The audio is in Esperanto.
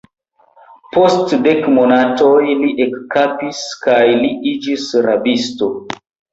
Post dek monatoj li eskapis kaj li iĝis rabisto.